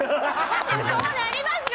そうなりますよ